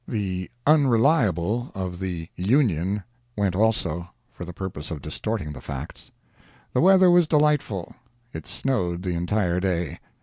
The Unreliable of the Union went also—for the purpose of distorting the facts. The weather was delightful. It snowed the entire day.